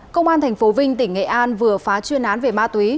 công an tp vinh tỉnh nghệ an vừa phá chuyên án về ma túy